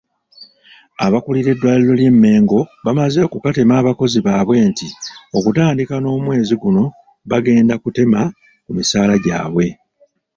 Abakulira eddwaliro ly'e Mmengo bamaze okukatema abakozi baabwe nti okutandika n'omwezi guno bagenda kutema ku misaala gyabwe.